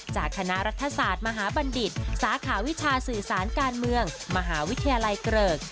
จากคณะรัฐศาสตร์มหาบัณฑิตสาขาวิชาสื่อสารการเมืองมหาวิทยาลัยเกริก